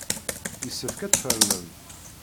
Yessefk ad tfernem.